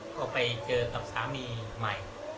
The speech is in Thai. ก็ไปเจอกับสามีใหม่